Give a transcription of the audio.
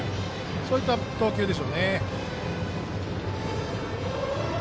そういった投球でしょうね。